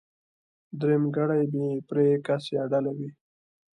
درېمګړی بې پرې کس يا ډله وي.